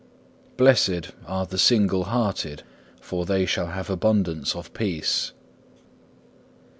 Blessed are the single hearted, for they shall have abundance of peace.